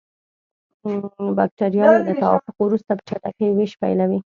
بکټریاوې له توافق وروسته په چټکۍ ویش پیلوي.